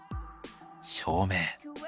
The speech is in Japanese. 照明。